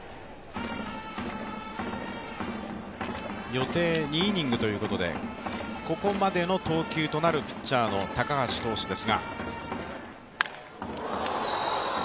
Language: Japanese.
予定２イニングということでここまでの投球となるピッチャーの高橋投手です。